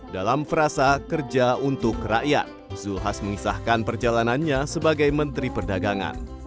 dalam frasa kerja untuk rakyat zulkifli hasan mengisahkan perjalanannya sebagai menteri perdagangan